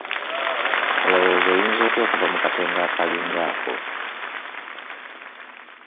Olowooza oyinza otya okuva mu katego akalinga ako?